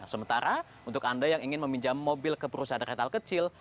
sementara untuk anda yang ingin meminjam mobil ke perusahaan retail kecil